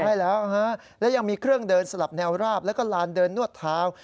ใช่แล้วฮะและยังมีเครื่องเดินสลับแนวราบแล้วก็ลานเดินนวดเท้า